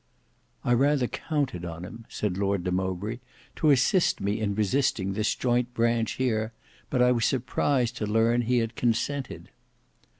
"I rather counted on him," said Lord de Mowbray, "to assist me in resisting this joint branch here; but I was surprised to learn he had consented."